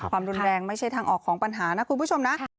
ความรุนแรงไม่ใช่ทางออกของปัญหานะคุณผู้ชมนะ